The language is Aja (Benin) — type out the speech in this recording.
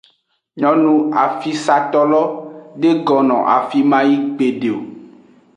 Nyonu afisato lo de gonno afime mayi gbede o.